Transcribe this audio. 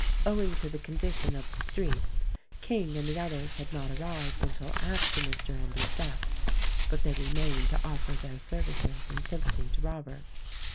Owing to the condition of the streets King and the others had not arrived until after Mr. Endy's death, but they remained to offer their services and sympathy to Robert.